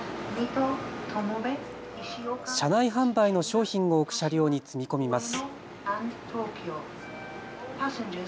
車内販売の商品を置く車両に積み込みます。